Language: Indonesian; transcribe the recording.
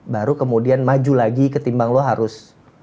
baru kemudian maju lagi ketimbang lo harus